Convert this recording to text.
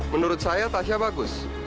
menurut saya tasya bagus